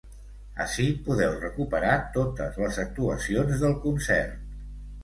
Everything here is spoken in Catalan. Ací podeu recuperar totes les actuacions del concert.